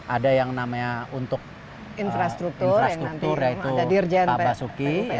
ada yang namanya untuk infrastruktur yaitu pak basuki